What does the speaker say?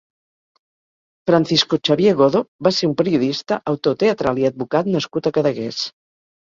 Francisco Xavier Godo va ser un periodista, autor teatral i advocat nascut a Cadaqués.